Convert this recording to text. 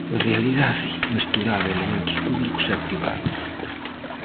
En realidade, mesturaba elementos públicos e privados.